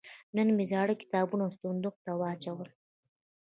نن مې زاړه کتابونه صندوق ته واچول.